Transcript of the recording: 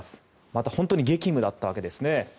また、本当に激務だったわけですね。